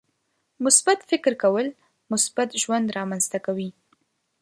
• مثبت فکر کول، مثبت ژوند رامنځته کوي.